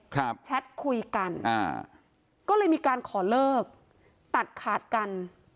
แชทคุยกันอ่าก็เลยมีการขอเลิกตัดขาดกัน